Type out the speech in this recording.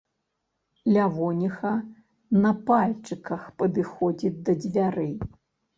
Лявоніха на пальчыках падыходзіць да дзвярэй.